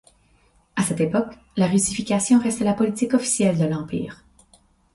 À cette époque, la russification reste la politique officielle de l’Empire.